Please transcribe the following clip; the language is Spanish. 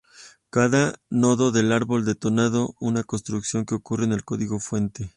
Cada nodo del árbol denota una construcción que ocurre en el código fuente.